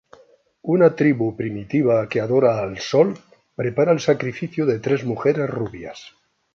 Una tribu primitiva que adora al sol prepara el sacrificio de tres mujeres rubias.